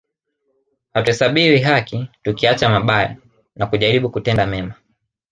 Hatuhesabiwi haki tukiacha mabaya na kujaribu kutenda mema